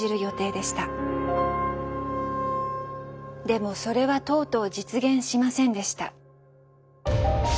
でもそれはとうとう実現しませんでした。